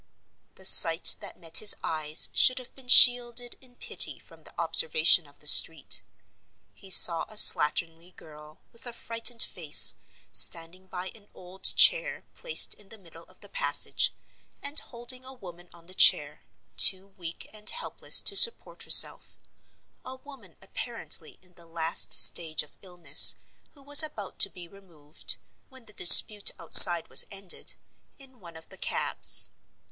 The sight that met his eyes should have been shielded in pity from the observation of the street. He saw a slatternly girl, with a frightened face, standing by an old chair placed in the middle of the passage, and holding a woman on the chair, too weak and helpless to support herself—a woman apparently in the last stage of illness, who was about to be removed, when the dispute outside was ended, in one of the cabs.